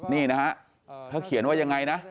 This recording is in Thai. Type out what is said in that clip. นี่นะฮะเขาเขียนว่ายังไงนะ